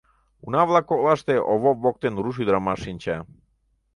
Уна-влак коклаште Овоп воктен руш ӱдырамаш шинча.